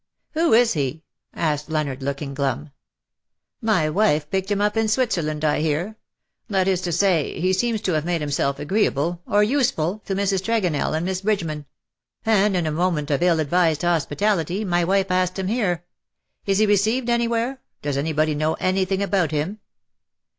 '' Who is he V asked Leonard, looking glum. ^' My wife picked him up in Switzerland, I hear — that is to say, he seems to have made himself agreeable — or useful — to Mrs. Tregonell and Miss Bridgeman; and, in a moment of ill advised hospi tality, my wife asked him here. Is he received anywhere ? Does anybody know anything about him?"